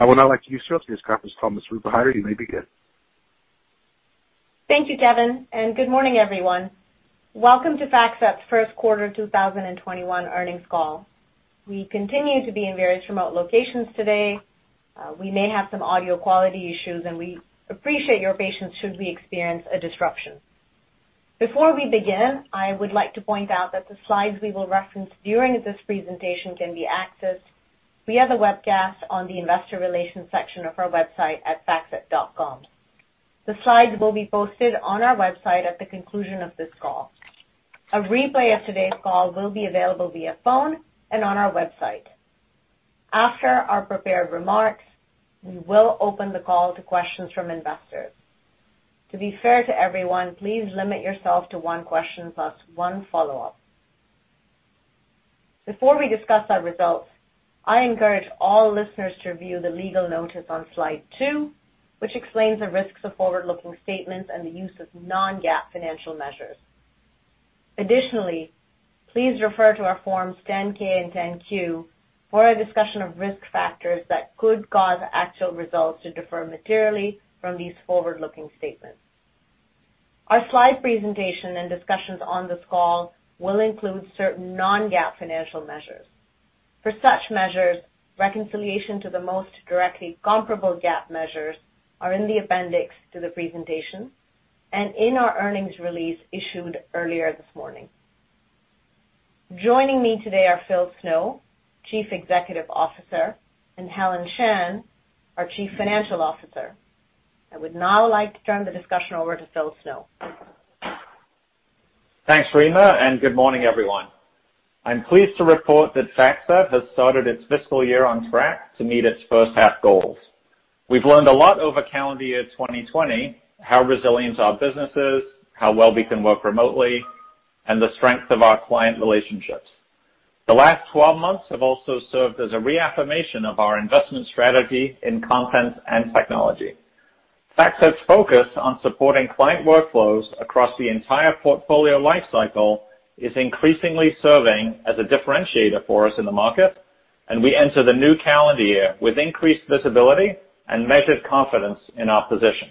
I would now like to introduce FactSet's conference call. Ms. Rima Hyder, you may begin. Thank you, Kevin, and good morning, everyone. Welcome to FactSet's first quarter 2021 earnings call. We continue to be in various remote locations today. We may have some audio quality issues, and we appreciate your patience should we experience a disruption. Before we begin, I would like to point out that the slides we will reference during this presentation can be accessed via the webcast on the investor relations section of our website at factset.com. The slides will be posted on our website at the conclusion of this call. A replay of today's call will be available via phone and on our website. After our prepared remarks, we will open the call to questions from investors. To be fair to everyone, please limit yourself to one question plus one follow-up. Before we discuss our results, I encourage all listeners to review the legal notice on slide two, which explains the risks of forward-looking statements and the use of non-GAAP financial measures. Additionally, please refer to our Forms 10-K and 10-Q for a discussion of risk factors that could cause actual results to differ materially from these forward-looking statements. Our slide presentation and discussions on this call will include certain non-GAAP financial measures. For such measures, reconciliation to the most directly comparable GAAP measures are in the appendix to the presentation and in our earnings release issued earlier this morning. Joining me today are Phil Snow, Chief Executive Officer, and Helen Shan, our Chief Financial Officer. I would now like to turn the discussion over to Phil Snow. Thanks, Rima. Good morning, everyone. I'm pleased to report that FactSet has started its fiscal year on track to meet its first-half goals. We've learned a lot over calendar year 2020, how resilient our business is, how well we can work remotely, and the strength of our client relationships. The last 12 months have also served as a reaffirmation of our investment strategy in content and technology. FactSet's focus on supporting client workflows across the entire portfolio lifecycle is increasingly serving as a differentiator for us in the market. We enter the new calendar year with increased visibility and measured confidence in our position.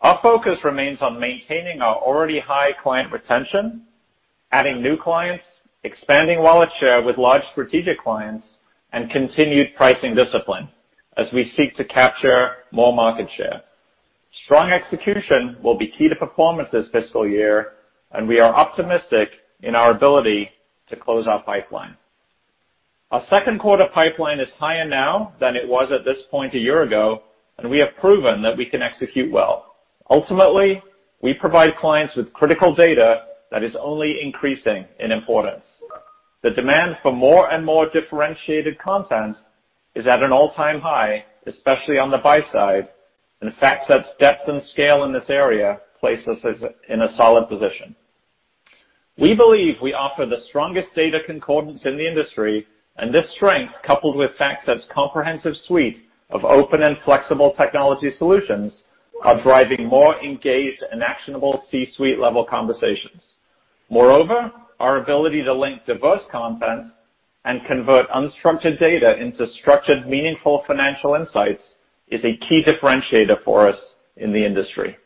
Our focus remains on maintaining our already high client retention, adding new clients, expanding wallet share with large strategic clients, and continued pricing discipline as we seek to capture more market share. Strong execution will be key to performance this fiscal year, and we are optimistic in our ability to close our pipeline. Our second quarter pipeline is higher now than it was at this point a year ago, and we have proven that we can execute well. Ultimately, we provide clients with critical data that is only increasing in importance. The demand for more and more differentiated content is at an all-time high, especially on the buy side, and FactSet's depth and scale in this area places us in a solid position. We believe we offer the strongest data concordance in the industry, and this strength, coupled with FactSet's comprehensive suite of open and flexible technology solutions, are driving more engaged and actionable C-suite-level conversations. Moreover, our ability to link diverse content and convert unstructured data into structured, meaningful financial insights is a key differentiator for us in the industry.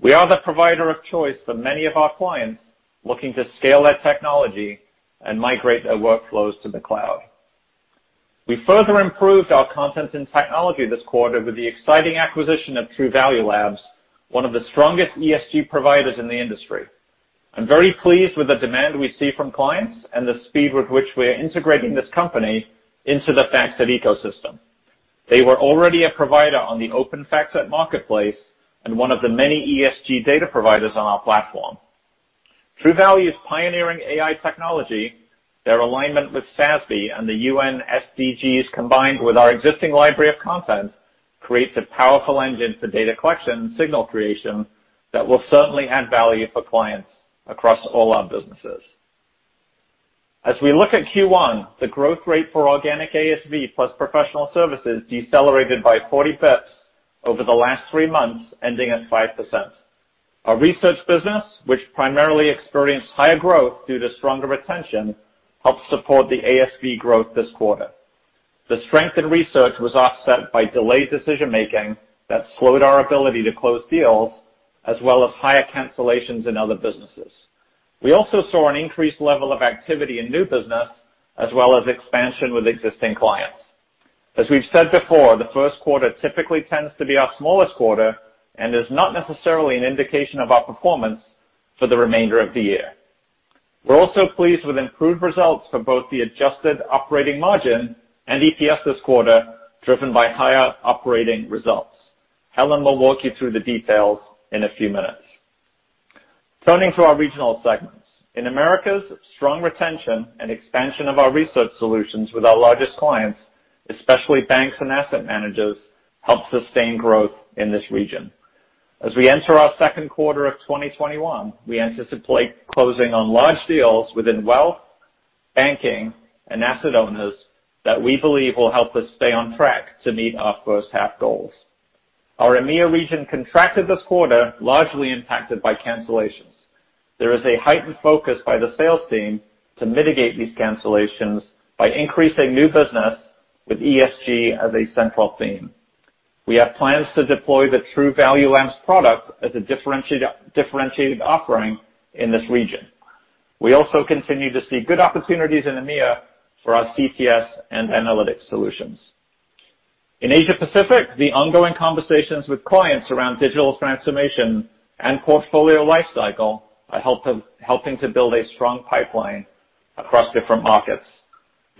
We are the provider of choice for many of our clients looking to scale their technology and migrate their workflows to the cloud. We further improved our content and technology this quarter with the exciting acquisition of Truvalue Labs, one of the strongest ESG providers in the industry. I'm very pleased with the demand we see from clients and the speed with which we are integrating this company into the FactSet ecosystem. They were already a provider on the Open:FactSet Marketplace and one of the many ESG data providers on our platform. Truvalue's pioneering AI technology, their alignment with SASB, and the UN SDGs, combined with our existing library of content, creates a powerful engine for data collection and signal creation that will certainly add value for clients across all our businesses. As we look at Q1, the growth rate for organic ASV plus professional services decelerated by 40 basis points over the last three months, ending at 5%. Our research business, which primarily experienced higher growth due to stronger retention, helped support the ASV growth this quarter. The strength in research was offset by delayed decision-making that slowed our ability to close deals, as well as higher cancellations in other businesses. We also saw an increased level of activity in new business, as well as expansion with existing clients. As we've said before, the first quarter typically tends to be our smallest quarter and is not necessarily an indication of our performance for the remainder of the year. We're also pleased with improved results for both the adjusted operating margin and EPS this quarter, driven by higher operating results. Helen will walk you through the details in a few minutes. Turning to our regional segments. In Americas, strong retention and expansion of our research solutions with our largest clients, especially banks and asset managers, helped sustain growth in this region. As we enter our second quarter of 2021, we anticipate closing on large deals within wealth, banking, and asset owners that we believe will help us stay on track to meet our first-half goals. Our EMEA region contracted this quarter, largely impacted by cancellations. There is a heightened focus by the sales team to mitigate these cancellations by increasing new business with ESG as a central theme. We have plans to deploy the Truvalue Labs product as a differentiated offering in this region. We also continue to see good opportunities in EMEA for our CTS and analytics solutions. In Asia Pacific, the ongoing conversations with clients around digital transformation and portfolio lifecycle are helping to build a strong pipeline across different markets.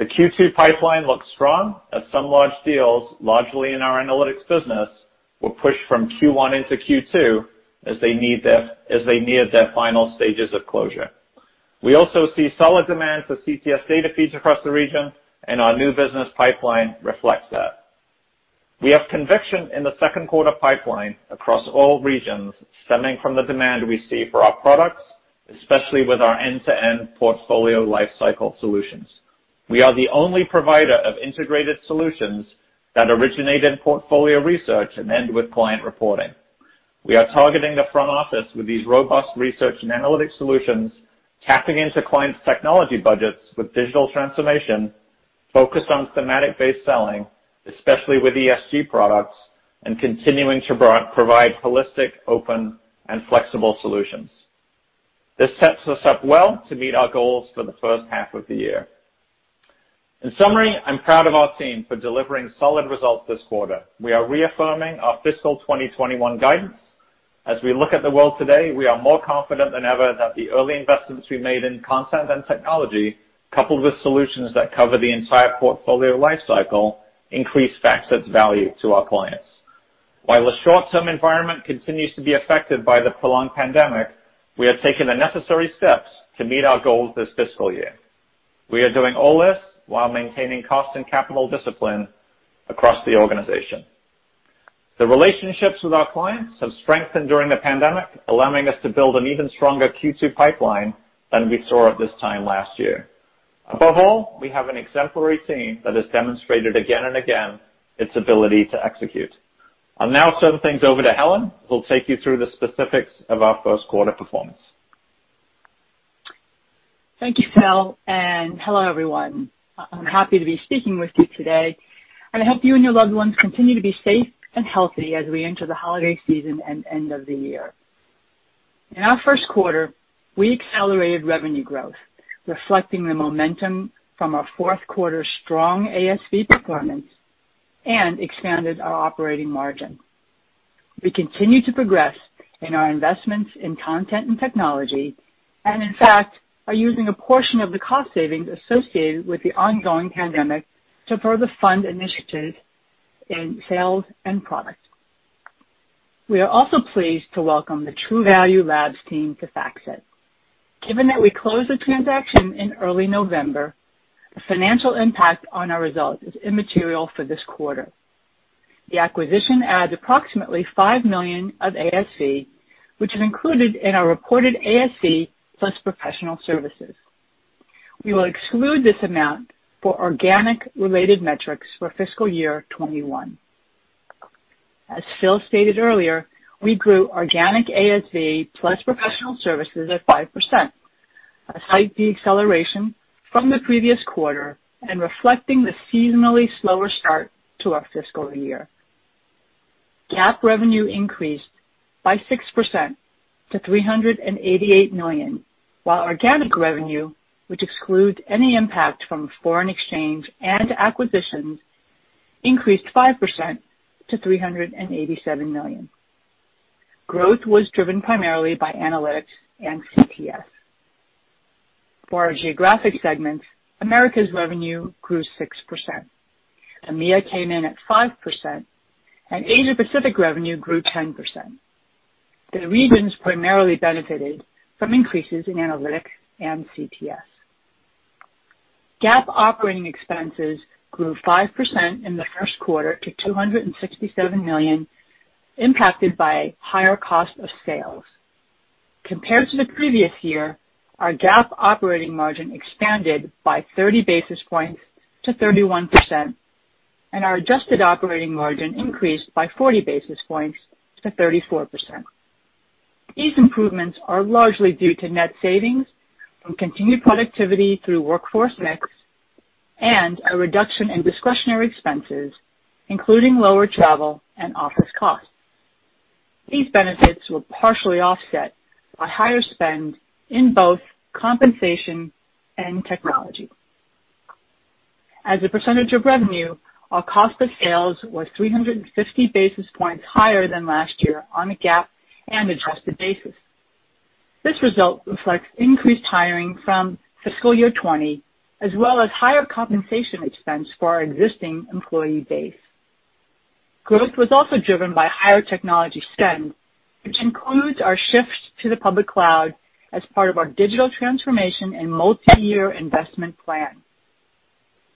The Q2 pipeline looks strong as some large deals, largely in our analytics business, were pushed from Q1 into Q2 as they neared their final stages of closure. We also see solid demand for CTS data feeds across the region, and our new business pipeline reflects that. We have conviction in the second quarter pipeline across all regions stemming from the demand we see for our products, especially with our end-to-end portfolio lifecycle solutions. We are the only provider of integrated solutions that originate in portfolio research and end with client reporting. We are targeting the front office with these robust research and analytics solutions, tapping into clients' technology budgets with digital transformation, focused on thematic-based selling, especially with ESG products, and continuing to provide holistic, open, and flexible solutions. This sets us up well to meet our goals for the first half of the year. In summary, I'm proud of our team for delivering solid results this quarter. We are reaffirming our fiscal 2021 guidance. As we look at the world today, we are more confident than ever that the early investments we made in content and technology, coupled with solutions that cover the entire portfolio lifecycle, increase FactSet's value to our clients. While the short-term environment continues to be affected by the prolonged pandemic, we have taken the necessary steps to meet our goals this fiscal year. We are doing all this while maintaining cost and capital discipline across the organization. The relationships with our clients have strengthened during the pandemic, allowing us to build an even stronger Q2 pipeline than we saw at this time last year. Above all, we have an exemplary team that has demonstrated again and again its ability to execute. I'll now turn things over to Helen, who will take you through the specifics of our first quarter performance. Thank you, Phil, and hello, everyone. I'm happy to be speaking with you today, and I hope you and your loved ones continue to be safe and healthy as we enter the holiday season and end of the year. In our first quarter, we accelerated revenue growth, reflecting the momentum from our fourth quarter strong ASV performance, and expanded our operating margin. We continue to progress in our investments in content and technology and, in fact, are using a portion of the cost savings associated with the ongoing pandemic to further fund initiatives in sales and product. We are also pleased to welcome the Truvalue Labs team to FactSet. Given that we closed the transaction in early November, the financial impact on our results is immaterial for this quarter. The acquisition adds approximately $5 million of ASC, which is included in our reported ASC plus professional services. We will exclude this amount for organic related metrics for fiscal year 2021. As Phil stated earlier, we grew organic ASV plus professional services at 5%, a slight deceleration from the previous quarter and reflecting the seasonally slower start to our fiscal year. GAAP revenue increased by 6% to $388 million, while organic revenue, which excludes any impact from foreign exchange and acquisitions, increased 5% to $387 million. Growth was driven primarily by analytics and CTS. For our geographic segments, Americas revenue grew 6%. EMEA came in at 5%, and Asia Pacific revenue grew 10%. The regions primarily benefited from increases in analytics and CTS. GAAP operating expenses grew 5% in the first quarter to $267 million, impacted by higher cost of sales. Compared to the previous year, our GAAP operating margin expanded by 30 basis points to 31%, and our adjusted operating margin increased by 40 basis points to 34%. These improvements are largely due to net savings from continued productivity through workforce mix and a reduction in discretionary expenses, including lower travel and office costs. These benefits were partially offset by higher spend in both compensation and technology. As a percentage of revenue, our cost of sales was 350 basis points higher than last year on a GAAP and adjusted basis. This result reflects increased hiring from fiscal year 2020, as well as higher compensation expense for our existing employee base. Growth was also driven by higher technology spend, which includes our shift to the public cloud as part of our digital transformation and multiyear investment plan.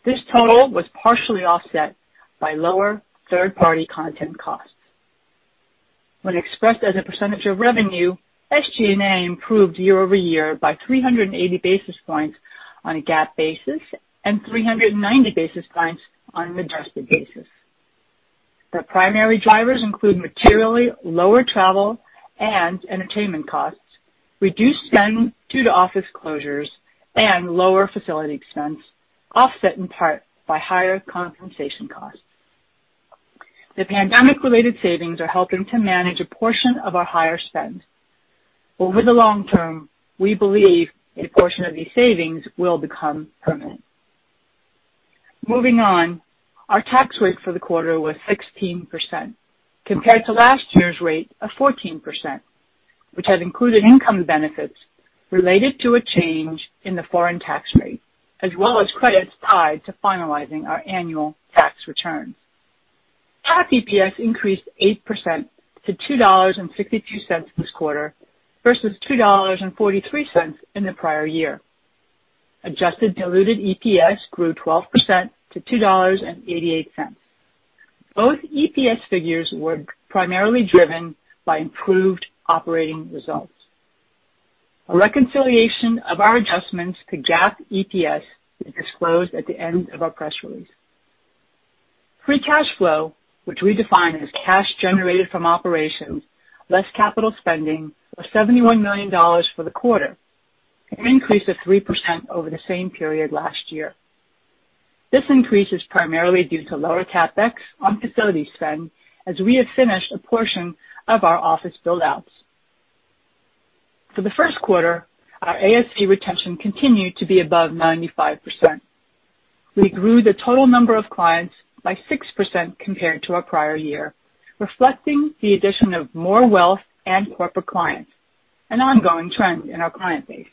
This total was partially offset by lower third-party content costs. When expressed as a percentage of revenue, SG&A improved year-over-year by 380 basis points on a GAAP basis and 390 basis points on an adjusted basis. The primary drivers include materially lower travel and entertainment costs, reduced spend due to office closures, and lower facility expense, offset in part by higher compensation costs. The pandemic-related savings are helping to manage a portion of our higher spend. Over the long term, we believe a portion of these savings will become permanent. Moving on, our tax rate for the quarter was 16%, compared to last year's rate of 14%, which had included income benefits related to a change in the foreign tax rate, as well as credits tied to finalizing our annual tax return. Non-GAAP EPS increased 8% to $2.62 this quarter versus $2.43 in the prior year. Adjusted diluted EPS grew 12% to $2.88. Both EPS figures were primarily driven by improved operating results. A reconciliation of our adjustments to GAAP EPS is disclosed at the end of our press release. Free cash flow, which we define as cash generated from operations less capital spending, was $71 million for the quarter, an increase of 3% over the same period last year. This increase is primarily due to lower CapEx on facility spend as we have finished a portion of our office build-outs. For the first quarter, our ASV retention continued to be above 95%. We grew the total number of clients by 6% compared to our prior year, reflecting the addition of more wealth and corporate clients, an ongoing trend in our client base.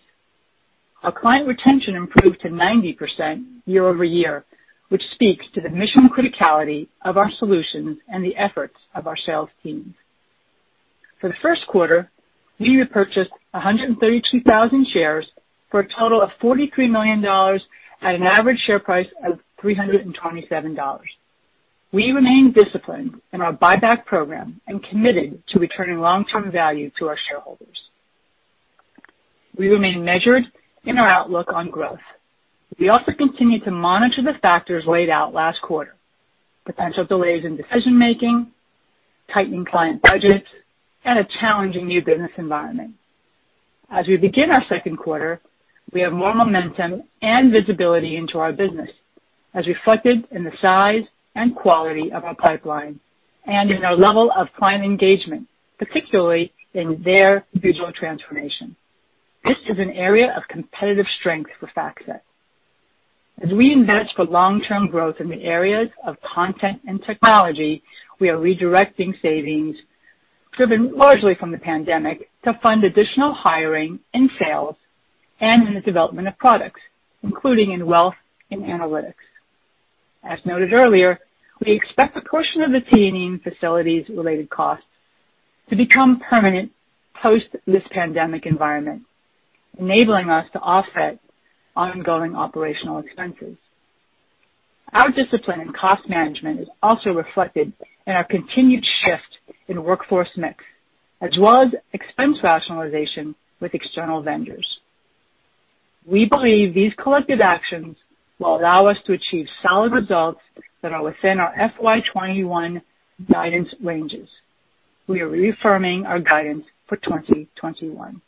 Our client retention improved to 90% year-over-year, which speaks to the mission criticality of our solutions and the efforts of our sales teams. For the first quarter, we repurchased 132,000 shares for a total of $43 million at an average share price of $327. We remain disciplined in our buyback program and committed to returning long-term value to our shareholders. We remain measured in our outlook on growth. We also continue to monitor the factors laid out last quarter, potential delays in decision-making, tightening client budgets, and a challenging new business environment. As we begin our second quarter, we have more momentum and visibility into our business as reflected in the size and quality of our pipeline and in our level of client engagement, particularly in their digital transformation. This is an area of competitive strength for FactSet. As we invest for long-term growth in the areas of content and technology, we are redirecting savings driven largely from the pandemic to fund additional hiring in sales and in the development of products, including in wealth and analytics. As noted earlier, we expect a portion of the T&E and facilities-related costs to become permanent post this pandemic environment, enabling us to offset ongoing operational expenses. Our discipline in cost management is also reflected in our continued shift in workforce mix, as well as expense rationalization with external vendors. We believe these collective actions will allow us to achieve solid results that are within our FY 2021 guidance ranges. We are reaffirming our guidance for 2021.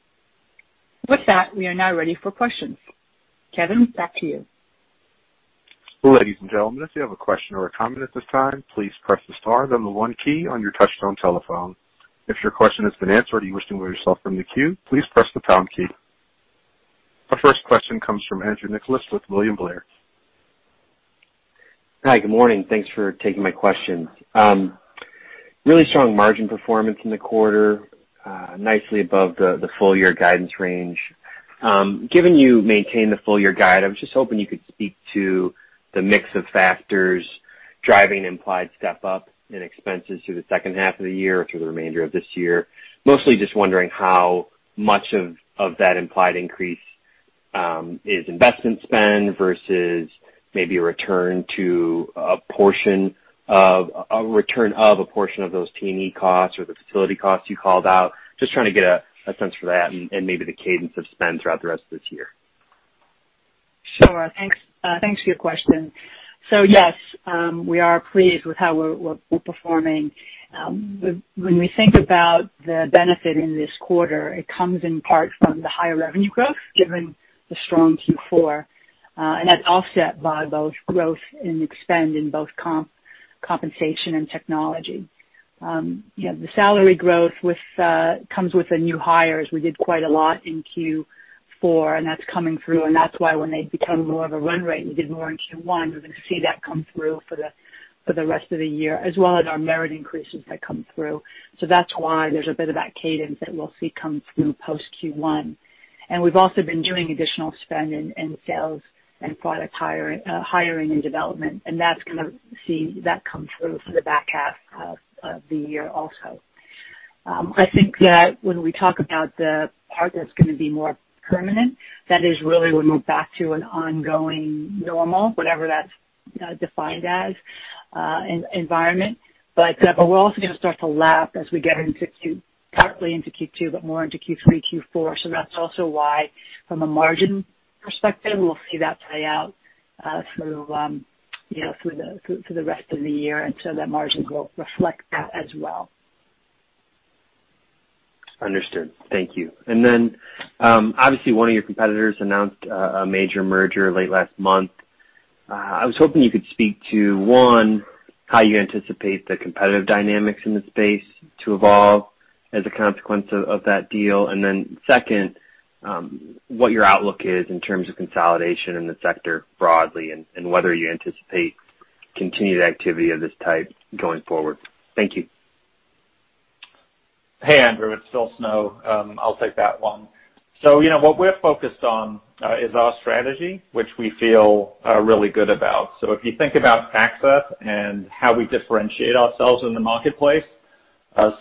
With that, we are now ready for questions. Kevin, back to you. Ladies and gentlemen, if you have a question or a comment at this time, please press the star then one key on your touchtone telephone. If your question has been answered, you wish to remove yourself from the queue, please press the pound key. Our first question comes from Andrew Nicholas with William Blair. Hi. Good morning. Thanks for taking my question. Really strong margin performance in the quarter, nicely above the full-year guidance range. Given you maintained the full-year guide, I was just hoping you could speak to the mix of factors driving implied step-up in expenses through the second half of the year or through the remainder of this year. Mostly just wondering how much of that implied increase is investment spend versus maybe a return of a portion of those T&E costs or the facility costs you called out. Just trying to get a sense for that and maybe the cadence of spend throughout the rest of this year. Sure. Thanks for your question. Yes, we are pleased with how we're performing. When we think about the benefit in this quarter, it comes in part from the higher revenue growth given the strong Q4, and that's offset by both growth in spend in both compensation and technology. The salary growth comes with the new hires. We did quite a lot in Q4, and that's coming through, and that's why when they become more of a run rate, we did more in Q1. We're going to see that come through for the rest of the year, as well as our merit increases that come through. That's why there's a bit of that cadence that we'll see come through post Q1. We've also been doing additional spend in sales and product hiring and development, and that's going to see that come through for the back half of the year also. I think that when we talk about the part that's going to be more permanent, that is really when we're back to an ongoing normal, whatever that's defined as, environment. We're also going to start to lap as we get partly into Q2, but more into Q3, Q4. That's also why from a margin perspective, we'll see that play out through the rest of the year, and so that margin growth reflects that as well. Understood. Thank you. Obviously one of your competitors announced a major merger late last month. I was hoping you could speak to, one, how you anticipate the competitive dynamics in the space to evolve as a consequence of that deal, and then second, what your outlook is in terms of consolidation in the sector broadly, and whether you anticipate continued activity of this type going forward. Thank you. Hey, Andrew. It's Phil Snow. I'll take that one. What we're focused on is our strategy, which we feel really good about. If you think about FactSet and how we differentiate ourselves in the marketplace,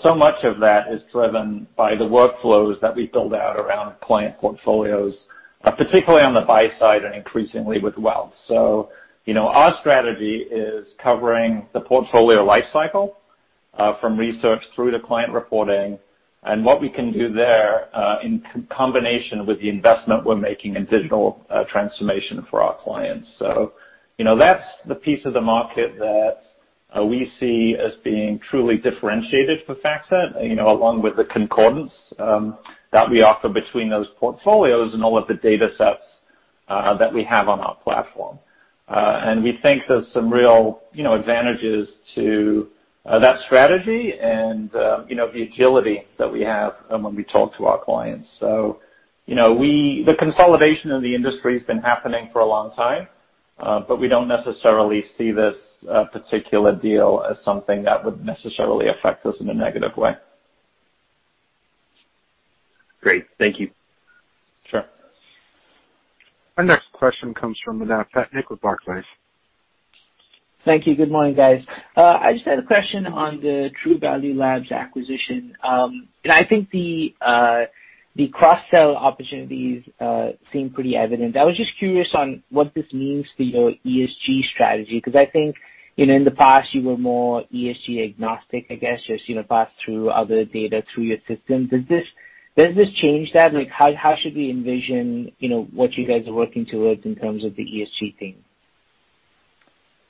so much of that is driven by the workflows that we build out around client portfolios, particularly on the buy side and increasingly with wealth. Our strategy is covering the portfolio life cycle, from research through to client reporting, and what we can do there, in combination with the investment we're making in digital transformation for our clients. That's the piece of the market that we see as being truly differentiated for FactSet, along with the concordance that we offer between those portfolios and all of the datasets that we have on our platform. We think there's some real advantages to that strategy and the agility that we have when we talk to our clients. The consolidation in the industry's been happening for a long time, but we don't necessarily see this particular deal as something that would necessarily affect us in a negative way. Great. Thank you. Sure. Our next question comes from Manav Patnaik with Barclays. Thank you. Good morning, guys. I just had a question on the Truvalue Labs acquisition. I think the cross-sell opportunities seem pretty evident. I was just curious on what this means for your ESG strategy, because I think, in the past you were more ESG agnostic, I guess, just pass through other data through your system. Does this change that? How should we envision what you guys are working towards in terms of the ESG thing?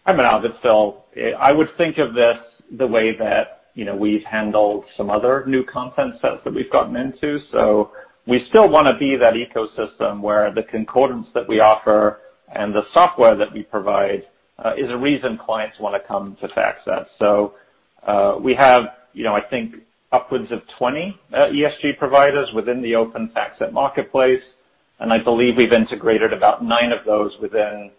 Hi, Manav. It's Phil. I would think of this the way that we've handled some other new content sets that we've gotten into. We still want to be that ecosystem where the concordance that we offer and the software that we provide is a reason clients want to come to FactSet. We have I think upwards of 20 ESG providers within the Open:FactSet Marketplace, and I believe we've integrated about nine of those within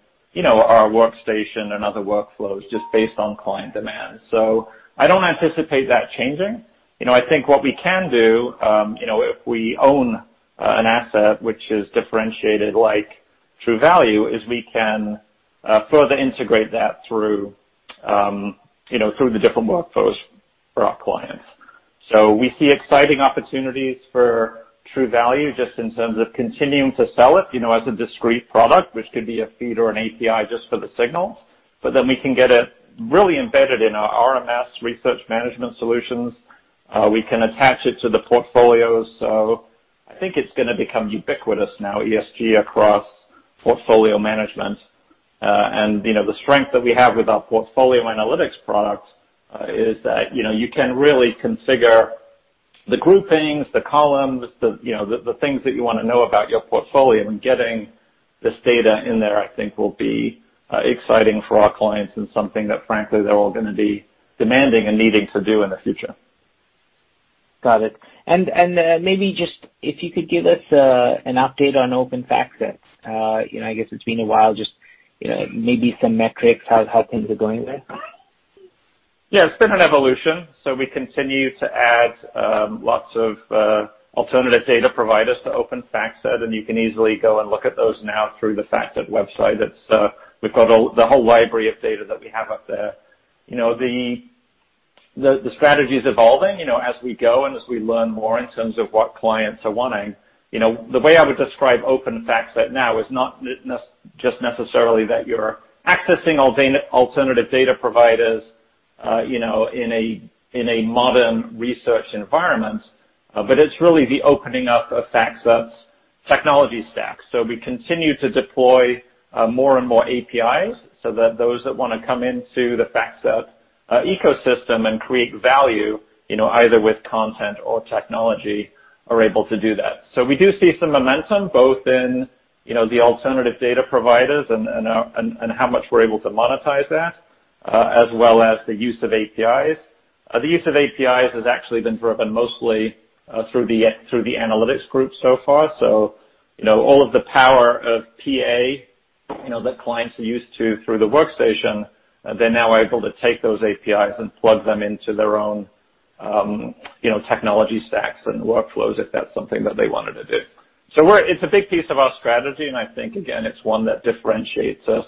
our Workstation and other workflows just based on client demand. I don't anticipate that changing. I think what we can do, if we own an asset which is differentiated like Truvalue, is we can further integrate that through the different workflows for our clients. We see exciting opportunities for Truvalue, just in terms of continuing to sell it, as a discrete product, which could be a feed or an API just for the signal. We can get it really embedded in our RMS research management solutions. We can attach it to the portfolios. I think it's going to become ubiquitous now, ESG across portfolio management. The strength that we have with our Portfolio Analytics product is that you can really configure the groupings, the columns, the things that you want to know about your portfolio, and getting this data in there, I think, will be exciting for our clients and something that frankly, they're all going to be demanding and needing to do in the future. Got it. Maybe just if you could give us an update on Open:FactSet. I guess it's been a while. Just maybe some metrics, how things are going there. Yeah. It's been an evolution. We continue to add lots of alternative data providers to Open:FactSet, and you can easily go and look at those now through the FactSet website. We've got the whole library of data that we have up there. The strategy's evolving, as we go and as we learn more in terms of what clients are wanting. The way I would describe Open:FactSet now is not just necessarily that you're accessing alternative data providers in a modern research environment. It's really the opening up of FactSet's technology stack. We continue to deploy more and more APIs so that those that want to come into the FactSet ecosystem and create value, either with content or technology, are able to do that. We do see some momentum, both in the alternative data providers and how much we're able to monetize that, as well as the use of APIs. The use of APIs has actually been driven mostly through the analytics group so far. All of the power of PA that clients are used to through the workstation, they're now able to take those APIs and plug them into their own technology stacks and workflows if that's something that they wanted to do. It's a big piece of our strategy, and I think, again, it's one that differentiates us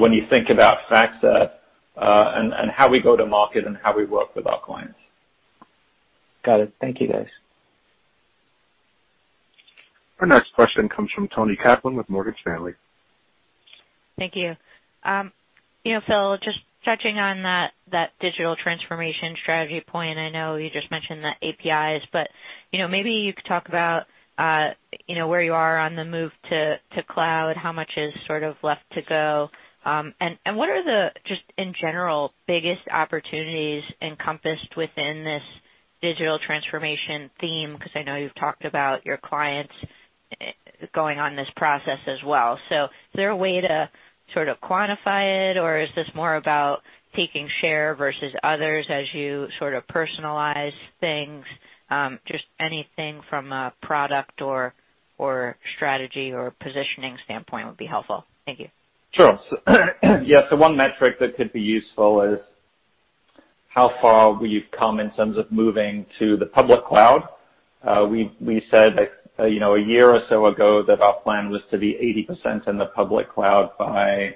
when you think about FactSet, and how we go to market and how we work with our clients. Got it. Thank you, guys. Our next question comes from Toni Kaplan with Morgan Stanley. Thank you. Phil, just touching on that digital transformation strategy point, I know you just mentioned the APIs, but maybe you could talk about where you are on the move to cloud, how much is sort of left to go. What are the, just in general, biggest opportunities encompassed within this digital transformation theme? Because I know you've talked about your clients going on this process as well. Is there a way to sort of quantify it, or is this more about taking share versus others as you sort of personalize things? Just anything from a product or strategy or positioning standpoint would be helpful. Thank you. Sure. One metric that could be useful is how far we've come in terms of moving to the public cloud. We said a year or so ago that our plan was to be 80% in the public cloud by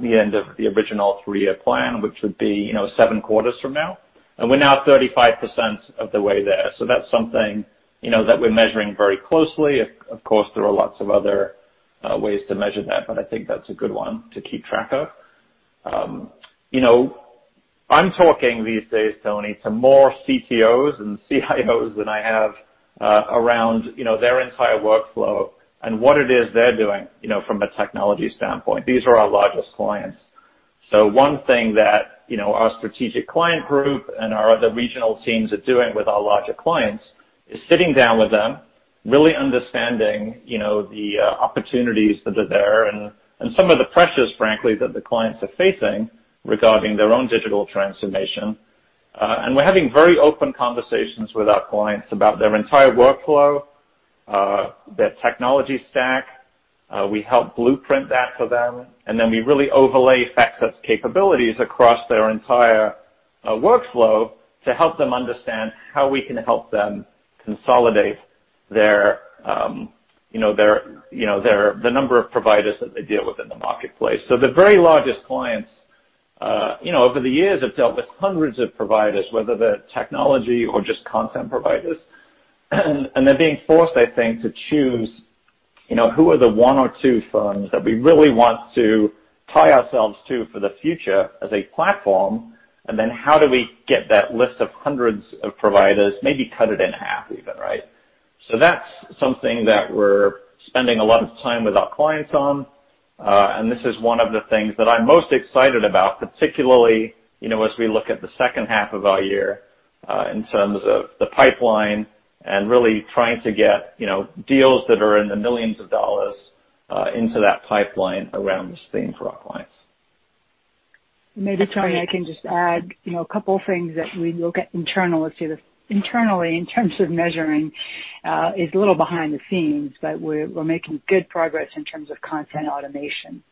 the end of the original three-year plan, which would be seven quarters from now. We're now 35% of the way there. That's something that we're measuring very closely. Of course, there are lots of other ways to measure that, but I think that's a good one to keep track of. I'm talking these days, Toni, to more CTOs and CIOs than I have around their entire workflow and what it is they're doing from a technology standpoint. These are our largest clients. One thing that our strategic client group and our other regional teams are doing with our larger clients is sitting down with them, really understanding the opportunities that are there and some of the pressures, frankly, that the clients are facing regarding their own digital transformation. We're having very open conversations with our clients about their entire workflow, their technology stack. We help blueprint that for them, we really overlay FactSet's capabilities across their entire workflow to help them understand how we can help them consolidate the number of providers that they deal with in the marketplace. The very largest clients, over the years, have dealt with hundreds of providers, whether they're technology or just content providers. They're being forced, I think, to choose who are the one or two firms that we really want to tie ourselves to for the future as a platform, and then how do we get that list of hundreds of providers, maybe cut it in half even, right? That's something that we're spending a lot of time with our clients on. This is one of the things that I'm most excited about, particularly as we look at the second half of our year in terms of the pipeline and really trying to get deals that are in the millions of dollars into that pipeline around this theme for our clients. Maybe, Toni, I can just add a couple of things that we look at internally. Internally, in terms of measuring, is a little behind the scenes, but we're making good progress in terms of content automation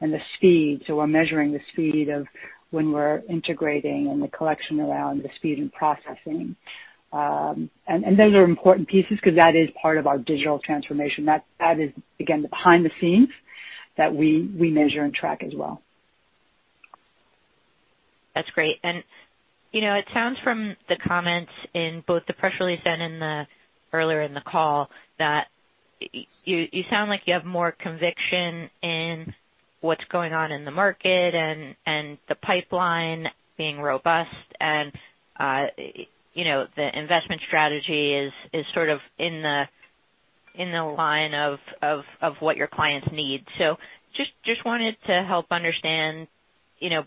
and the speed. We're measuring the speed of when we're integrating and the collection around the speed and processing. Those are important pieces because that is part of our digital transformation. That is, again, the behind the scenes that we measure and track as well. That's great. It sounds from the comments in both the press release and earlier in the call, that you sound like you have more conviction in what's going on in the market and the pipeline being robust and the investment strategy is sort of in the line of what your clients need. Just wanted to help understand,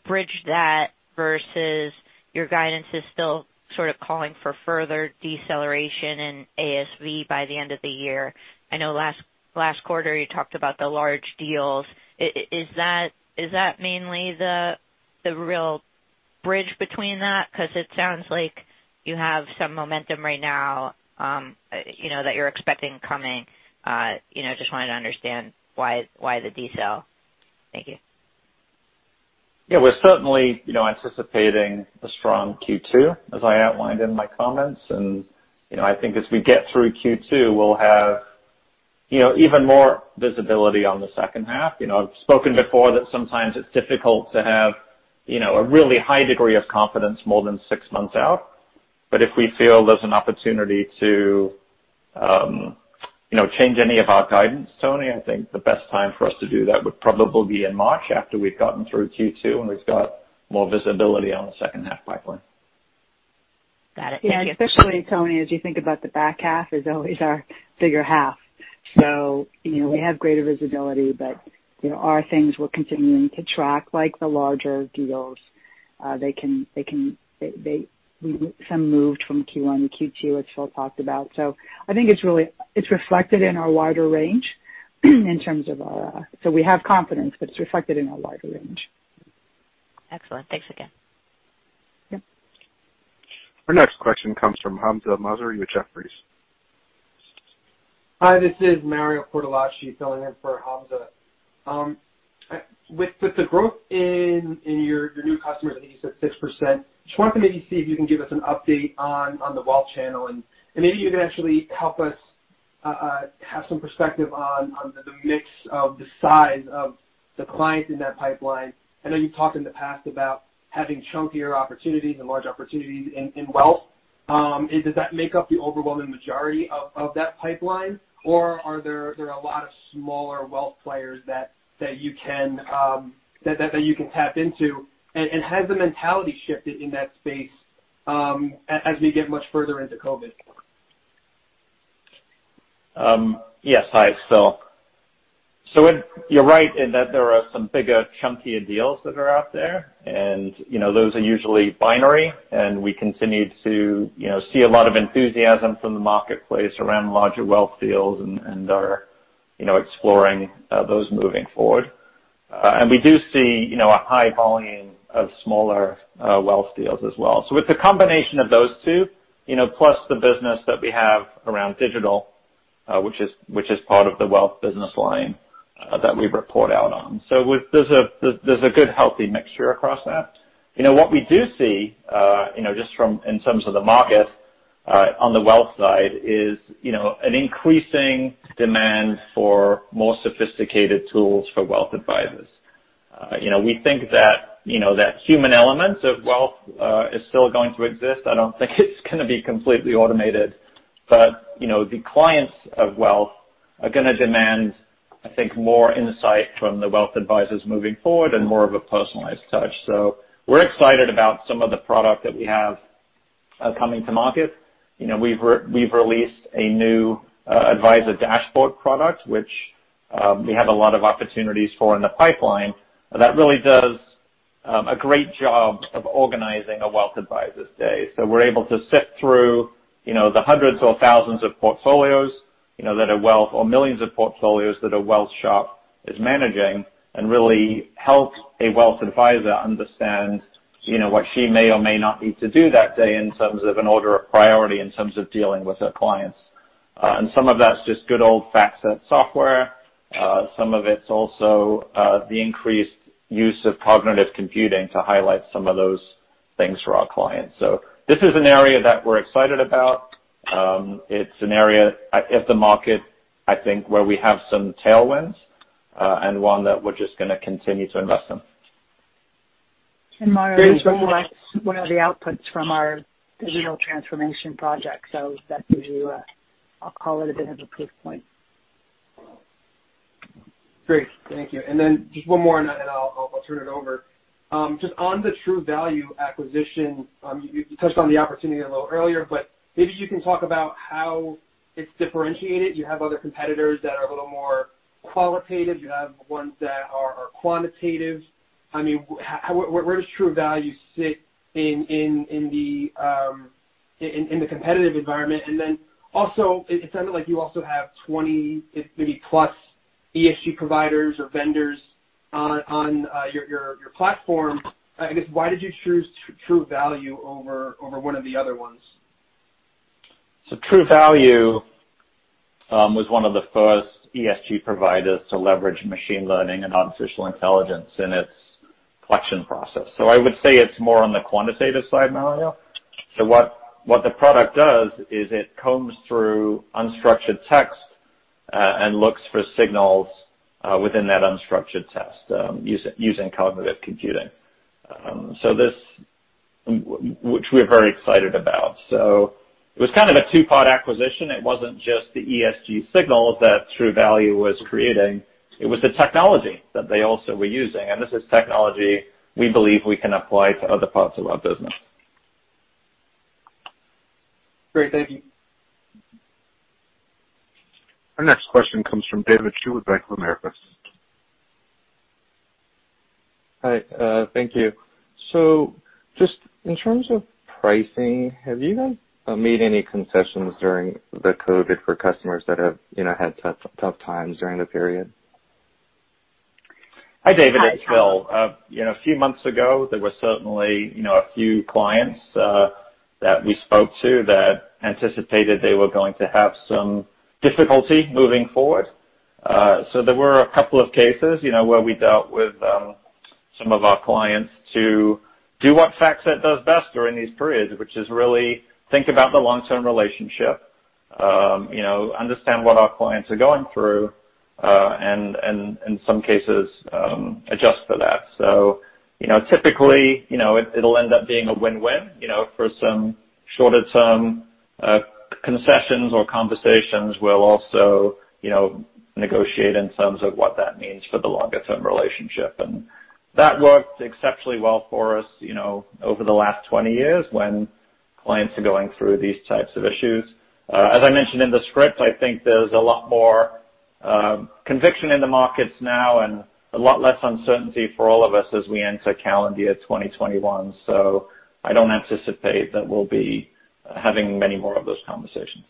bridge that versus your guidance is still sort of calling for further deceleration in ASV by the end of the year. I know last quarter you talked about the large deals. Is that mainly the real bridge between that? It sounds like you have some momentum right now that you're expecting coming. Just wanted to understand why the decel? Thank you. Yeah, we're certainly anticipating a strong Q2, as I outlined in my comments. I think as we get through Q2, we'll have even more visibility on the second half. I've spoken before that sometimes it's difficult to have a really high degree of confidence more than six months out. If we feel there's an opportunity to change any of our guidance, Toni, I think the best time for us to do that would probably be in March after we've gotten through Q2 and we've got more visibility on the second half pipeline. Got it. Thank you. Yeah, especially, Toni, as you think about the back half is always our bigger half. We have greater visibility, but there are things we're continuing to track, like the larger deals. Some moved from Q1 to Q2, as Phil talked about. I think it's reflected in our wider range. We have confidence, but it's reflected in our wider range. Excellent. Thanks again. Yep. Our next question comes from Hamzah Mazari with Jefferies. Hi, this is Mario Cortellacci filling in for Hamzah. With the growth in your new customers, I think you said 6%, just wanted to maybe see if you can give us an update on the wealth channel, and maybe you can actually help us have some perspective on the mix of the size of the clients in that pipeline. I know you've talked in the past about having chunkier opportunities and large opportunities in wealth. Does that make up the overwhelming majority of that pipeline? Are there a lot of smaller wealth players that you can tap into? Has the mentality shifted in that space as we get much further into COVID? Yes. Hi, it's Phil. You're right in that there are some bigger, chunkier deals that are out there, and those are usually binary, and we continue to see a lot of enthusiasm from the marketplace around larger wealth deals and are exploring those moving forward. We do see a high volume of smaller wealth deals as well. It's a combination of those two, plus the business that we have around digital, which is part of the wealth business line that we report out on. There's a good, healthy mixture across that. What we do see, just in terms of the market on the wealth side, is an increasing demand for more sophisticated tools for wealth advisors. We think that human element of wealth is still going to exist. I don't think it's going to be completely automated. The clients of wealth are going to demand, I think, more insight from the wealth advisors moving forward and more of a personalized touch. We're excited about some of the product that we have coming to market. We've released a new advisor dashboard product, which we have a lot of opportunities for in the pipeline, that really does a great job of organizing a wealth advisor's day. We're able to sift through the hundreds or thousands of portfolios that a wealth or millions of portfolios that a wealth shop is managing, and really help a wealth advisor understand what she may or may not need to do that day in terms of an order of priority in terms of dealing with her clients. And some of that's just good old FactSet software. Some of it's also the increased use of cognitive computing to highlight some of those things for our clients. This is an area that we're excited about. It's an area at the market, I think, where we have some tailwinds, and one that we're just going to continue to invest in. Mario, one of the outputs from our digital transformation project. That gives you a, I'll call it a bit of a proof point. Great. Thank you. Then just one more and I'll turn it over. Just on the Truvalue acquisition, maybe you can talk about how it's differentiated. You have other competitors that are a little more qualitative. You have ones that are quantitative. Where does Truvalue sit in the competitive environment? Then also, it sounded like you also have 20, maybe plus ESG providers or vendors on your platform. I guess, why did you choose Truvalue over one of the other ones? Truvalue was one of the first ESG providers to leverage machine learning and artificial intelligence in its collection process. I would say it's more on the quantitative side, Mario. What the product does is it combs through unstructured text, and looks for signals within that unstructured text using cognitive computing. Which we are very excited about. It was kind of a two-part acquisition. It wasn't just the ESG signals that Truvalue was creating. It was the technology that they also were using. This is technology we believe we can apply to other parts of our business. Great. Thank you. Our next question comes from David Chu with Bank of America. Hi. Thank you. Just in terms of pricing, have you made any concessions during the COVID for customers that have had tough times during the period? Hi, David. It's Phil. A few months ago, there were certainly a few clients that we spoke to that anticipated they were going to have some difficulty moving forward. There were a couple of cases where we dealt with some of our clients to do what FactSet does best during these periods, which is really think about the long-term relationship, understand what our clients are going through, and in some cases, adjust for that. Typically, it'll end up being a win-win. For some shorter-term concessions or conversations, we'll also negotiate in terms of what that means for the longer-term relationship. That worked exceptionally well for us over the last 20 years when clients are going through these types of issues. As I mentioned in the script, I think there's a lot more conviction in the markets now and a lot less uncertainty for all of us as we enter calendar year 2021. I don't anticipate that we'll be having many more of those conversations.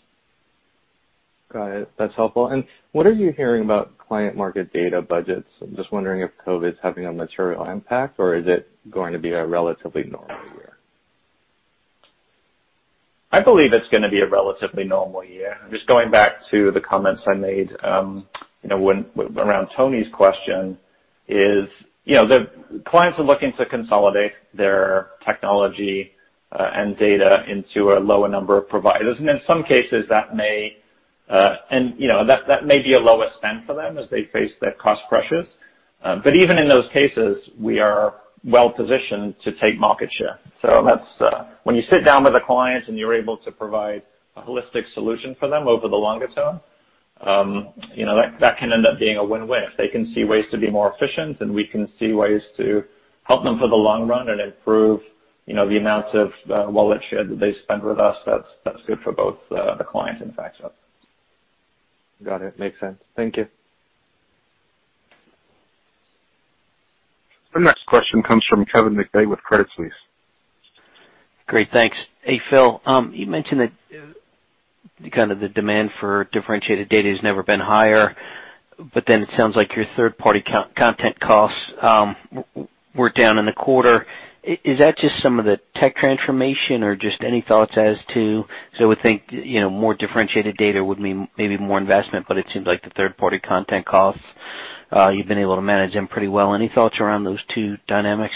Got it. That's helpful. What are you hearing about client market data budgets? I'm just wondering if COVID's having a material impact, or is it going to be a relatively normal year? I believe it's going to be a relatively normal year. Just going back to the comments I made around Toni's question is the clients are looking to consolidate their technology and data into a lower number of providers. In some cases, that may be a lower spend for them as they face the cost pressures. Even in those cases, we are well-positioned to take market share. When you sit down with a client and you're able to provide a holistic solution for them over the longer term, that can end up being a win-win. If they can see ways to be more efficient and we can see ways to help them for the long run and improve the amount of wallet share that they spend with us, that's good for both the client and FactSet. Got it. Makes sense. Thank you. Our next question comes from Kevin McVeigh with Credit Suisse. Great, thanks. Hey, Phil. You mentioned that the demand for differentiated data has never been higher. It sounds like your third-party content costs were down in the quarter. Is that just some of the tech transformation, or just any thoughts? I would think more differentiated data would mean maybe more investment. It seems like the third-party content costs, you've been able to manage them pretty well. Any thoughts around those two dynamics?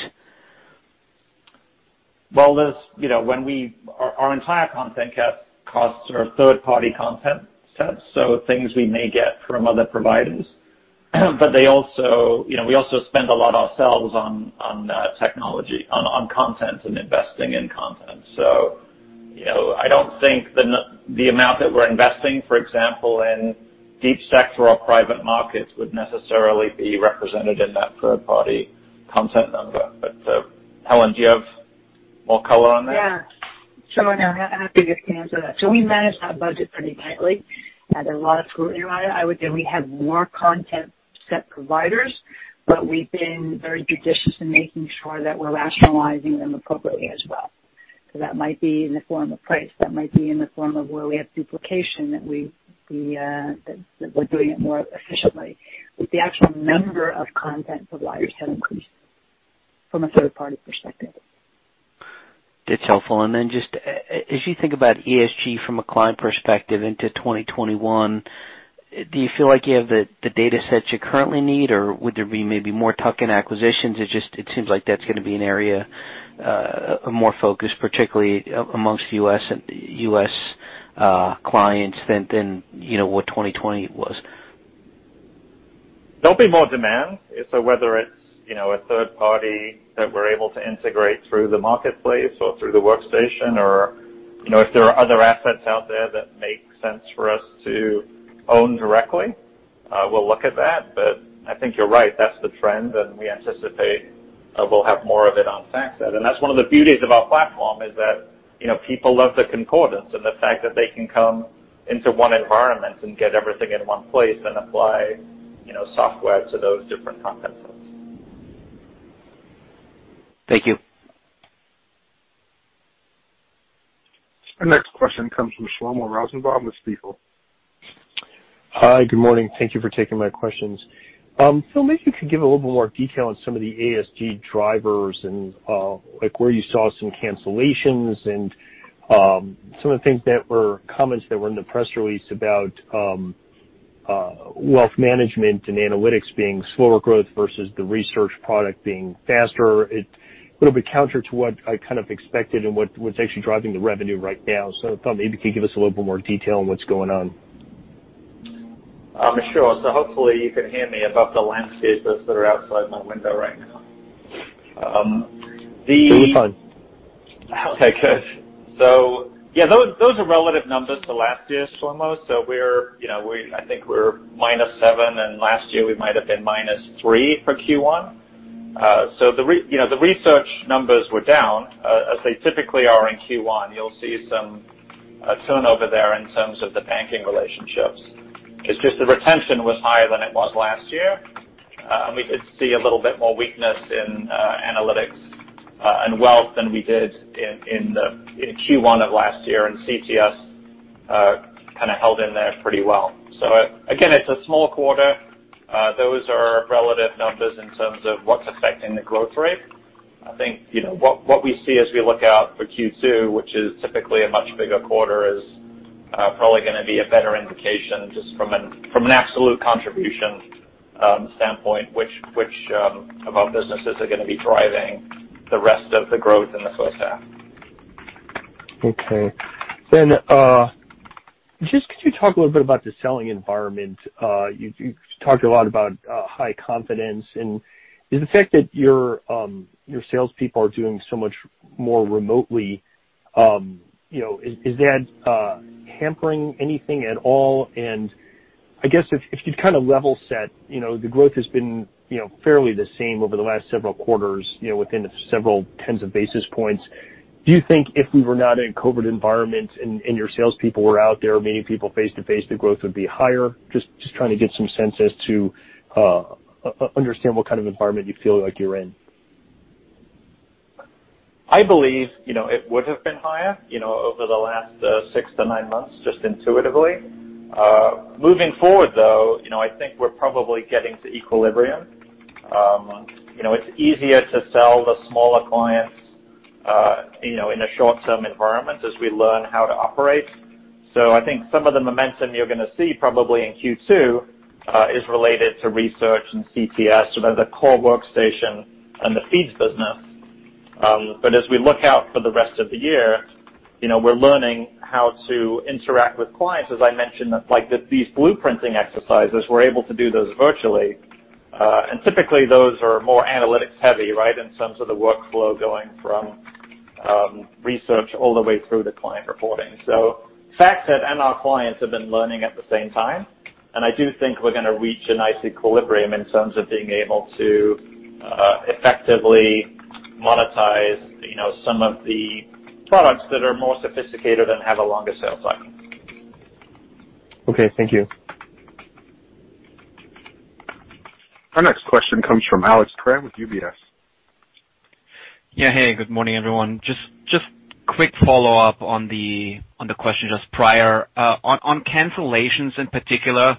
Our entire content costs are third-party content sets, so things we may get from other providers. We also spend a lot ourselves on technology, on content, and investing in content. I don't think the amount that we're investing, for example, in Deep Sector or private markets would necessarily be represented in that third-party content number. Helen, do you have more color on that? Yeah. I'm happy to answer that. We manage our budget pretty tightly, had a lot of scrutiny on it. I would say we have more content set providers, we've been very judicious in making sure that we're rationalizing them appropriately as well. That might be in the form of price, that might be in the form of where we have duplication, that we're doing it more efficiently. The actual number of content providers has increased from a third-party perspective. That's helpful. Just as you think about ESG from a client perspective into 2021, do you feel like you have the data sets you currently need, or would there be maybe more tuck-in acquisitions? It seems like that's going to be an area of more focus, particularly amongst U.S. clients than what 2020 was. There'll be more demand. Whether it's a third party that we're able to integrate through the marketplace or through the workstation, or if there are other assets out there that make sense for us to own directly, we'll look at that. I think you're right. That's the trend, and we anticipate that we'll have more of it on FactSet. That's one of the beauties of our platform is that people love the concordance and the fact that they can come into one environment and get everything in one place and apply software to those different content sets. Thank you. Our next question comes from Shlomo Rosenbaum with Stifel. Hi, good morning. Thank you for taking my questions. Phil, maybe you could give a little bit more detail on some of the ESG drivers and where you saw some cancellations and some of the things that were comments that were in the press release about wealth management and analytics being slower growth versus the research product being faster. It's a little bit counter to what I kind of expected and what's actually driving the revenue right now. I thought maybe you could give us a little bit more detail on what's going on. Sure. Hopefully you can hear me above the landscapers that are outside my window right now. They look fine. Okay, good. Yeah, those are relative numbers to last year, Shlomo. I think we're -7, and last year we might have been -3 for Q1. The research numbers were down, as they typically are in Q1. You'll see some turnover there in terms of the banking relationships. It's just the retention was higher than it was last year. We did see a little bit more weakness in analytics and wealth than we did in Q1 of last year, and CTS kind of held in there pretty well. Again, it's a small quarter. Those are relative numbers in terms of what's affecting the growth rate. I think what we see as we look out for Q2, which is typically a much bigger quarter, is probably going to be a better indication, just from an absolute contribution standpoint, which of our businesses are going to be driving the rest of the growth in the first half. Okay. Just could you talk a little bit about the selling environment? You talked a lot about high confidence, does the fact that your salespeople are doing so much more remotely, is that hampering anything at all? I guess if you'd kind of level set, the growth has been fairly the same over the last several quarters within several tens of basis points. Do you think if we were not in a COVID environment and your salespeople were out there meeting people face-to-face, the growth would be higher? Just trying to get some sense as to understand what kind of environment you feel like you're in. I believe it would have been higher over the last six to nine months, just intuitively. Moving forward, though, I think we're probably getting to equilibrium. It's easier to sell the smaller clients in a short-term environment as we learn how to operate. I think some of the momentum you're going to see probably in Q2 is related to research and CTS, so the core workstation and the feeds business. As we look out for the rest of the year, we're learning how to interact with clients. As I mentioned, like these blueprinting exercises, we're able to do those virtually. Typically those are more analytics-heavy, right, in terms of the workflow going from research all the way through to client reporting. FactSet and our clients have been learning at the same time. I do think we're going to reach a nice equilibrium in terms of being able to effectively monetize some of the products that are more sophisticated and have a longer sales cycle. Okay. Thank you. Our next question comes from Alex Kramm with UBS. Yeah. Hey, good morning, everyone. Just quick follow-up on the question just prior. On cancellations in particular,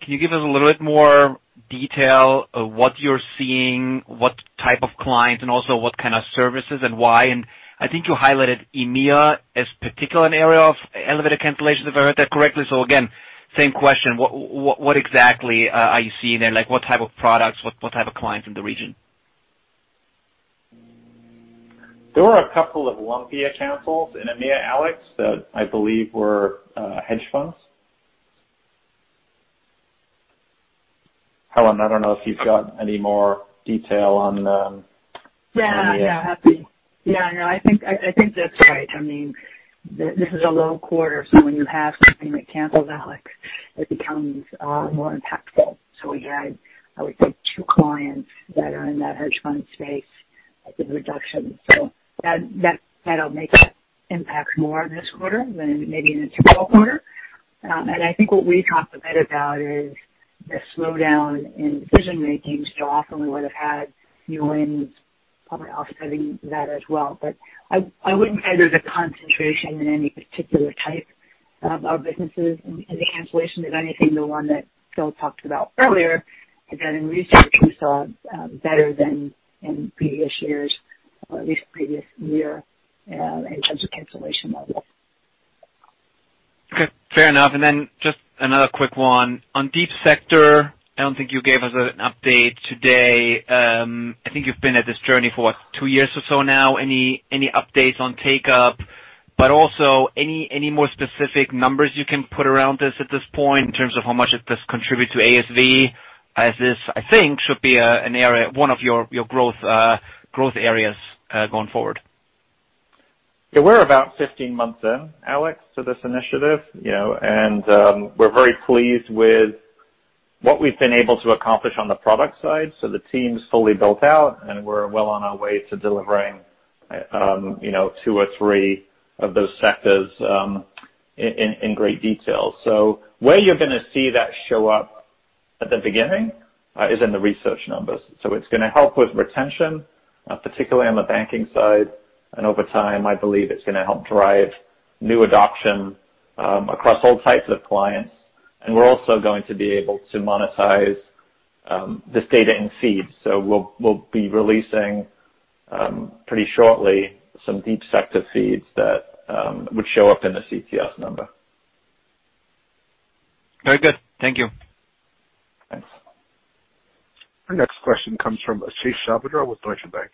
can you give us a little bit more detail of what you're seeing, what type of client, and also what kind of services and why? I think you highlighted EMEA as particular an area of elevated cancellations, if I heard that correctly. Again, same question. What exactly are you seeing there? What type of products? What type of clients in the region? There were a couple of lumpy cancels in EMEA, Alex, that I believe were hedge funds. Helen, I don't know if you've got any more detail on them. Yeah. I think that's right. This is a low quarter, so when you have something that cancels, Alex, it becomes more impactful. We had, I would say, two clients that are in that hedge fund space, I think reduction. That'll make that impact more this quarter than maybe in a typical quarter. I think what we talked a bit about is the slowdown in decision-making. Often we would have had new wins probably offsetting that as well. I wouldn't say there's a concentration in any particular type of our businesses in the cancellation. If anything, the one that Phil talked about earlier, again, in research, we saw better than in previous years, or at least the previous year, in terms of cancellation levels. Okay. Fair enough. Just another quick one. On Deep Sector, I don't think you gave us an update today. I think you've been at this journey for, what, two years or so now. Any updates on take-up? Also, any more specific numbers you can put around this at this point in terms of how much it does contribute to ASV, as this, I think, should be one of your growth areas going forward. Yeah. We're about 15 months in, Alex, to this initiative. We're very pleased with what we've been able to accomplish on the product side. The team's fully built out, and we're well on our way to delivering two or three of those sectors in great detail. Where you're going to see that show up at the beginning is in the research numbers. It's going to help with retention, particularly on the banking side. Over time, I believe it's going to help drive new adoption across all types of clients. We're also going to be able to monetize this data in feeds. We'll be releasing, pretty shortly, some Deep Sector feeds that would show up in the CTS number. Very good. Thank you. Thanks. Our next question comes from Ashish Sabadra with Deutsche Bank.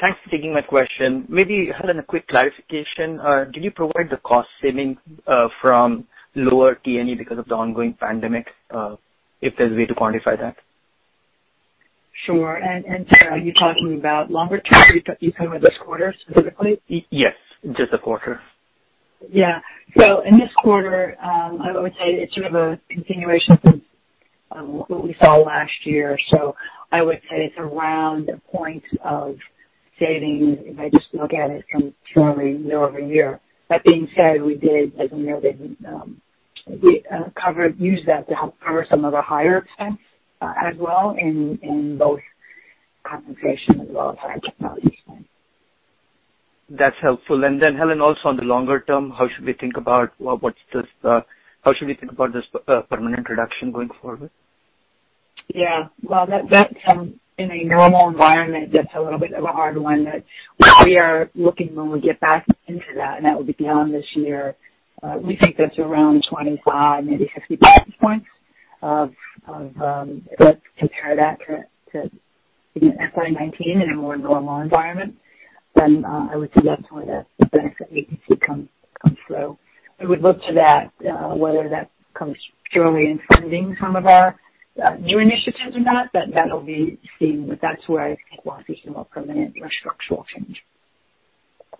Thanks for taking my question. Maybe, Helen, a quick clarification. Can you provide the cost saving from lower T&E because of the ongoing pandemic, if there's a way to quantify that? Sure. Are you talking about longer term? Are you talking about this quarter specifically? Yes, just the quarter. Yeah. In this quarter, I would say it's sort of a continuation from what we saw last year. I would say it's around a point of saving if I just look at it from year-over-year. That being said, we did, as you know, we used that to help cover some of our higher expense as well in both compensation as well as our technology spend. That's helpful. Helen, also on the longer term, how should we think about this permanent reduction going forward? Yeah. Well, in a normal environment, that's a little bit of a hard one that we are looking when we get back into that, and that will be beyond this year. We think that's around 25, maybe 50 basis points. Let's compare that to FY 2019 in a more normal environment, then I would say that's where the benefit may come through. I would look to that, whether that comes purely in spending some of our new initiatives or not, but that'll be seen. That's where I think we'll see some more permanent or structural change.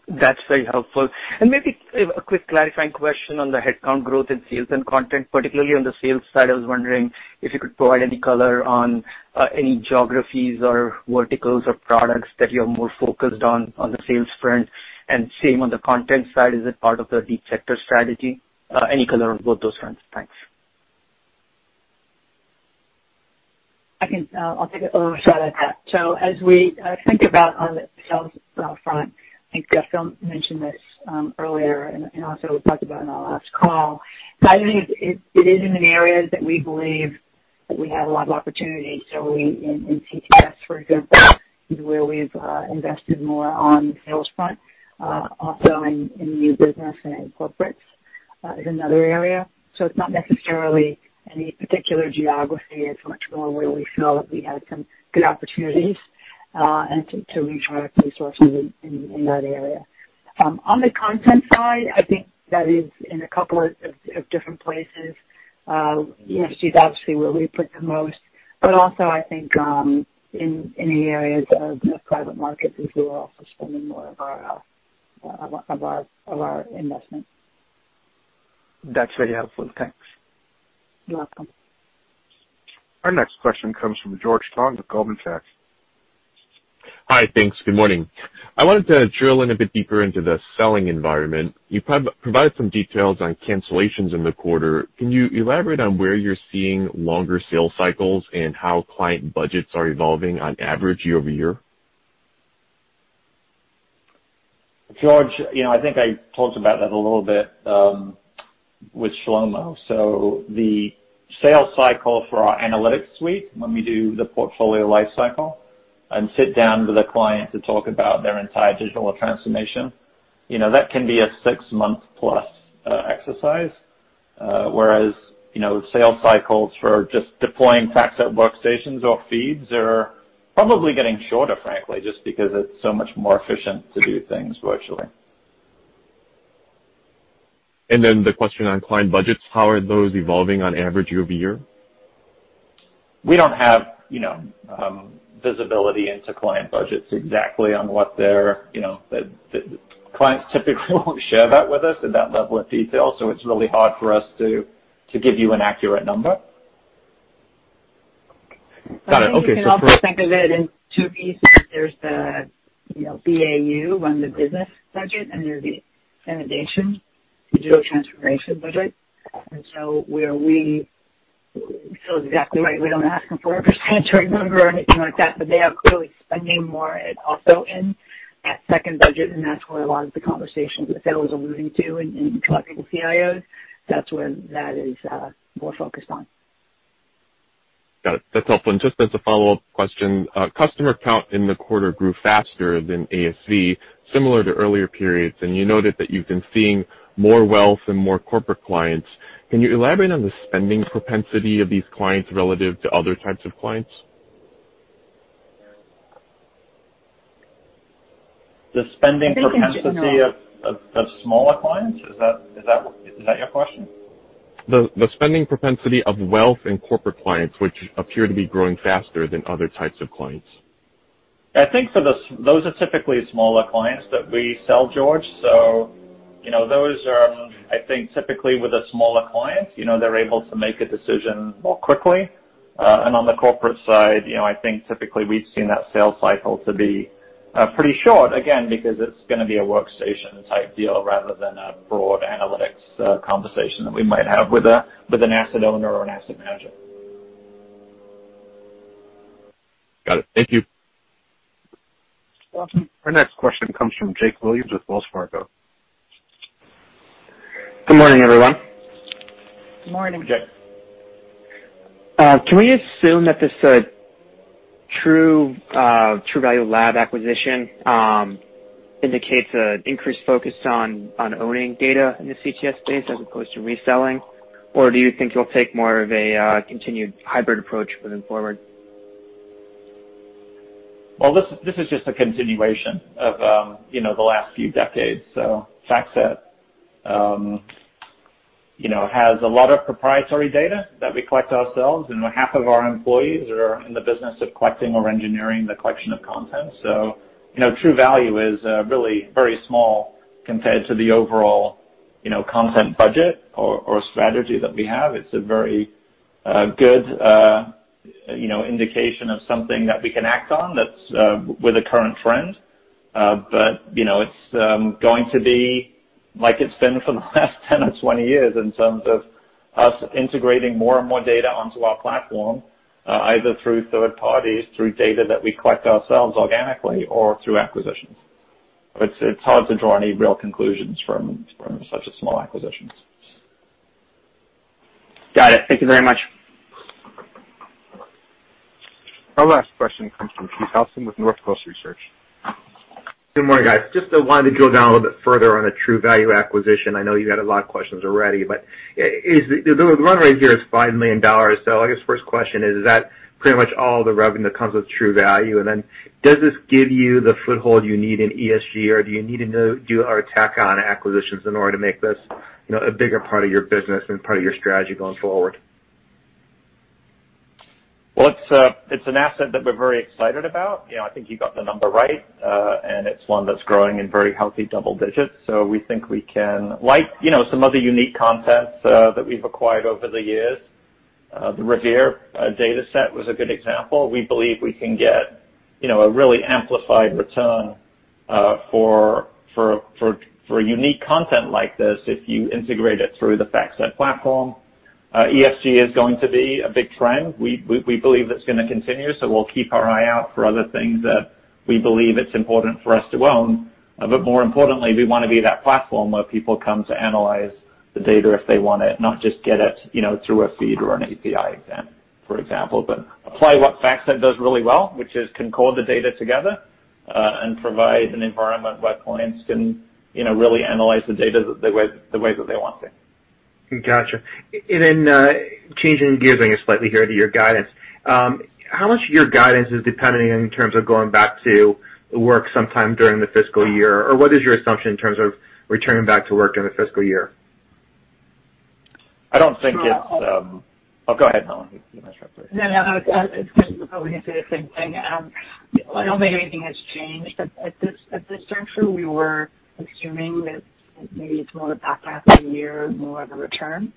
That's very helpful. Maybe a quick clarifying question on the headcount growth in sales and content, particularly on the sales side. I was wondering if you could provide any color on any geographies or verticals or products that you're more focused on the sales front. Same on the content side. Is it part of the Deep Sector strategy? Any color on both those fronts? Thanks. I'll take a shot at that. As we think about on the sales front, I think Phil mentioned this earlier, and also we talked about in our last call. I think it is in the areas that we believe we have a lot of opportunity. In CTS, for example, where we've invested more on the sales front. Also in new business and corporates is another area. It's not necessarily any particular geography. It's much more where we feel that we have some good opportunities and to redirect resources in that area. On the content side, I think that is in a couple of different places. Universities, obviously, where we put the most, but also I think in the areas of private markets is where we're also spending more of our investment. That's very helpful. Thanks. Welcome. Our next question comes from George Tong with Goldman Sachs. Hi. Thanks. Good morning. I wanted to drill in a bit deeper into the selling environment. You've provided some details on cancellations in the quarter. Can you elaborate on where you're seeing longer sales cycles and how client budgets are evolving on average year-over-year? George, I think I talked about that a little bit with Shlomo. The sales cycle for our analytics suite, when we do the portfolio life cycle and sit down with a client to talk about their entire digital transformation, that can be a six-month-plus exercise. Whereas, sales cycles for just deploying FactSet Workstations or feeds are probably getting shorter, frankly, just because it's so much more efficient to do things virtually. The question on client budgets, how are those evolving on average year-over-year? We don't have visibility into client budgets exactly. Clients typically won't share that with us at that level of detail. It's really hard for us to give you an accurate number. Got it. Okay. You can also think of it in two pieces. There's the BAU on the business budget, and there's the innovation digital transformation budget. Phil is exactly right. We don't ask them for a percentage or a number or anything like that, but they are clearly spending more also in that second budget, and that's where a lot of the conversations that Phil was alluding to in talking to CIOs, that's where that is more focused on. Got it. That's helpful. Just as a follow-up question, customer count in the quarter grew faster than ASV, similar to earlier periods, and you noted that you've been seeing more wealth and more corporate clients. Can you elaborate on the spending propensity of these clients relative to other types of clients? The spending propensity. No. of smaller clients? Is that your question? The spending propensity of wealth and corporate clients, which appear to be growing faster than other types of clients. I think those are typically smaller clients that we sell, George. Those are, I think, typically with a smaller client, they're able to make a decision more quickly. On the corporate side, I think typically we've seen that sales cycle to be pretty short, again, because it's going to be a Workstation type deal rather than a broad analytics conversation that we might have with an asset owner or an asset manager. Got it. Thank you. Welcome. Our next question comes from Jake Williams with Wells Fargo. Good morning, everyone. Good morning. Jake. Can we assume that this Truvalue Labs acquisition indicates an increased focus on owning data in the CTS space as opposed to reselling? Or do you think you'll take more of a continued hybrid approach moving forward? This is just a continuation of the last few decades. FactSet has a lot of proprietary data that we collect ourselves, and half of our employees are in the business of collecting or engineering the collection of content. Truvalue is really very small compared to the overall content budget or strategy that we have. It's a very good indication of something that we can act on that's with a current trend. It's going to be like it's been for the last 10 or 20 years in terms of us integrating more and more data onto our platform, either through third parties, through data that we collect ourselves organically, or through acquisitions. It's hard to draw any real conclusions from such a small acquisition. Got it. Thank you very much. Our last question comes from Keith Housum with Northcoast Research. Good morning, guys. Just wanted to drill down a little bit further on the Truvalue acquisition. I know you got a lot of questions already, but the run rate here is $5 million. I guess first question is that pretty much all the revenue that comes with Truvalue? Does this give you the foothold you need in ESG, or do you need to do or tack on acquisitions in order to make this a bigger part of your business and part of your strategy going forward? it's an asset that we're very excited about. I think you got the number right. it's one that's growing in very healthy double digits. we think we can like some other unique content that we've acquired over the years. The Revere data set was a good example. We believe we can get a really amplified return for unique content like this if you integrate it through the FactSet platform. ESG is going to be a big trend. We believe it's going to continue, so we'll keep our eye out for other things that we believe it's important for us to own. more importantly, we want to be that platform where people come to analyze the data if they want it, not just get it through a feed or an API access, for example. Apply what FactSet does really well, which is compile the data together, and provide an environment where clients can really analyze the data the way that they want to. Got you. Changing gears slightly here to your guidance, how much of your guidance is dependent in terms of going back to work sometime during the fiscal year? What is your assumption in terms of returning back to work during the fiscal year? Oh, go ahead, Helen. You can answer that. I was going to probably say the same thing. I don't think anything has changed. At this juncture, we were assuming that maybe it's more of a back half of the year more of a return,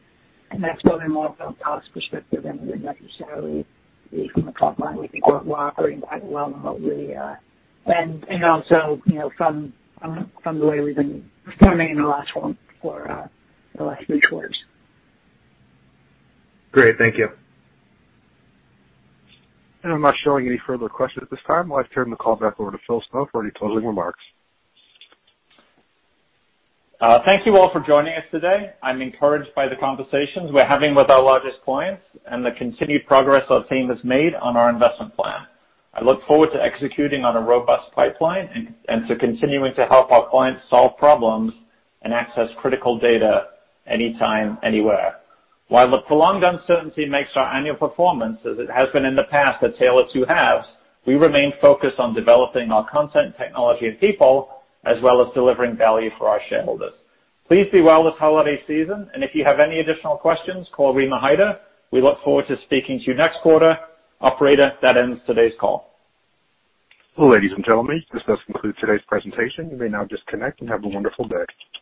and that's building more from a cost perspective than it is necessarily from a top line. We think we're operating quite well remotely. Also from the way we've been performing in the last few quarters. Great. Thank you. I'm not showing any further questions at this time. I'd like to turn the call back over to Phil Snow for any closing remarks. Thank you all for joining us today. I'm encouraged by the conversations we're having with our largest clients and the continued progress our team has made on our investment plan. I look forward to executing on a robust pipeline and to continuing to help our clients solve problems and access critical data anytime, anywhere. While the prolonged uncertainty makes our annual performance, as it has been in the past, a tale of two halves, we remain focused on developing our content, technology, and people, as well as delivering value for our shareholders. Please be well this holiday season, and if you have any additional questions, call Rima Hyder. We look forward to speaking to you next quarter. Operator, that ends today's call. Ladies and gentlemen, this does conclude today's presentation. You may now disconnect, and have a wonderful day.